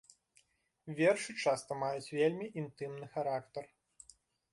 Вершы часта маюць вельмі інтымны характар.